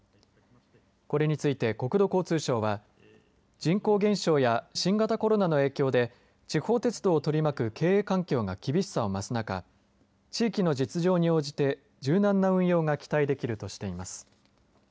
これについて国土交通省は人口減少や新型コロナの影響で地方鉄道を取り巻く経営環境が厳しさを増す中地域の実情に応じて柔軟な運用が期待できるとしています。